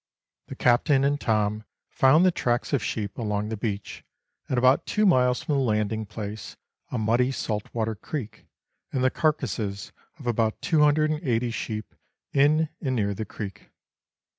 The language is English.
The Captain and Tom found the tracks of sheep along the beach, and about two miles from the landing place, a muddy saltwater creek, and the carcases of about 28O sheep in and near the creek.